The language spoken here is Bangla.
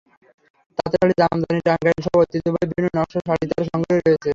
তাঁতের শাড়ি, জামদানি, টাঙ্গাইলসহ ঐতিহ্যবাহী বিভিন্ন নকশার শাড়ি তাঁর সংগ্রহে রয়েছে।